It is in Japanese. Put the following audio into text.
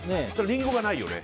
リンゴはないよね。